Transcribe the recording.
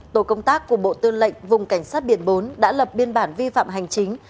tổ công tác của bộ tư lệnh vùng cảnh sát biển bốn đã lập biên bản vi phạm hành chính